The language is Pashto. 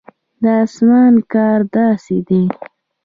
د اسمان کار داسې دی.